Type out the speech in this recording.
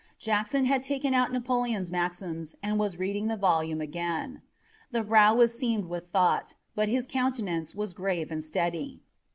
Jackson had taken out Napoleon's Maxims and was reading the volume again. The brow was seamed with thought, but his countenance was grave and steady.